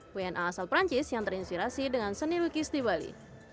wna asal perancis yang terinspirasi dengan seni lukis di bali